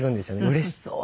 うれしそうに。